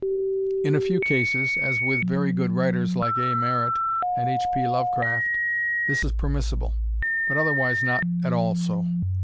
In a few cases, as with very good writers like A. Merritt and H. P. Lovecraft, this is permissible, but, otherwise, not at all so.